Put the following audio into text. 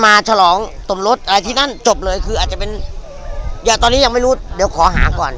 ฉลองสมรสอะไรที่นั่นจบเลยคืออาจจะเป็นอย่างตอนนี้ยังไม่รู้เดี๋ยวขอหาก่อน